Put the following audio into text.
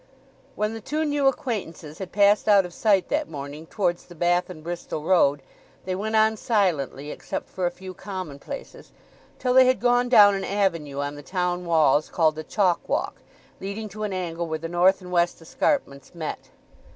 When the two new acquaintances had passed out of sight that morning towards the Bath and Bristol road they went on silently, except for a few commonplaces, till they had gone down an avenue on the town walls called the Chalk Walk, leading to an angle where the North and West escarpments met.